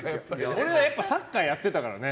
俺はサッカーやってたからね。